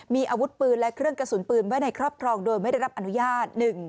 มีอาวุธปืนและเครื่องกระสุนปืนไว้ในครอบครองโดยไม่ได้รับอนุญาต